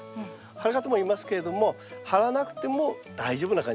張る方もいますけれども張らなくても大丈夫な感じですね。